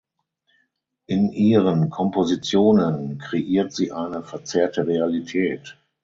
In ihren Kompositionen kreiert sie eine verzerrte Realität.